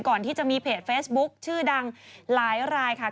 ก่อนที่จะมีเพจเฟซบุ๊คชื่อดังหลายรายค่ะ